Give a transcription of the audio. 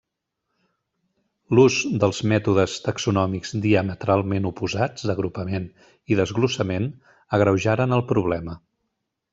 L'ús dels mètodes taxonòmics diametralment oposats d'agrupament i desglossament agreujaren el problema.